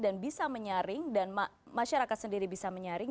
dan bisa menyaring dan masyarakat sendiri bisa menyaring